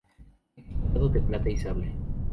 Etiquetado de plata y sable.